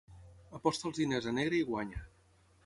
Aposta els diners a negre i guanya.